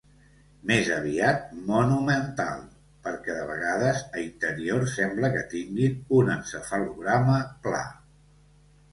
Més aviat mono-mental, perquè de vegades a Interior sembla que tinguin un encefalograma pla.